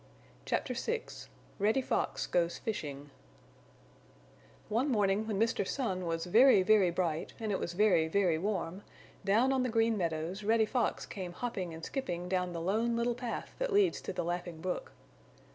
CHAPTER VI REDDY FOX GOES FISHING One morning when Mr. Sun was very, very bright and it was very, very warm, down on the Green Meadows Reddy Fox came hopping and skipping down the Lone Little Path that leads to the Laughing Brook.